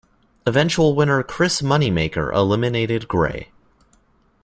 Eventual winner Chris Moneymaker eliminated Grey.